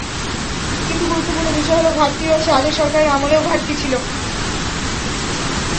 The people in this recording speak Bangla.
কিন্তু গুরুত্বপূর্ণ বিষয় হলো ঘাটতিও আছে, আগের সরকারের আমলেও ঘাটতি ছিল।